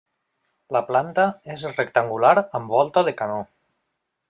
La planta és rectangular amb volta de canó.